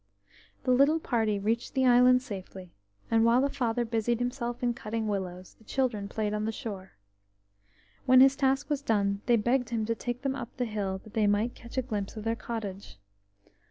HE little party reached the island safely, and while the father busied himself in cutting willows, the children played on the shore. When his task was done they begged him to take them up the hill that they might catch a glimpse of their cottage.